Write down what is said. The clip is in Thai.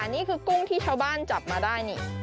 นี่คือกุ้งที่ชาวบ้านจับมาได้นี่